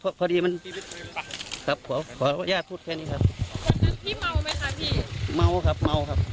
พอดีมันครับขอขออนุญาตพูดแค่นี้ครับวันนั้นพี่เมาไหมคะพี่เมาครับเมาครับ